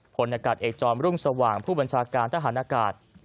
ผลอากาศเอกจอมรุ่งสว่างผู้บัญชาการทหารอากาศ